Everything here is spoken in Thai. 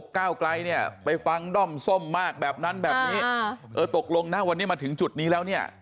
ก้าวไกลเนี่ยไปฟังด้อมส้มมากแบบนั้นแบบนี้เออตกลงนะวันนี้มาถึงจุดนี้แล้วเนี่ย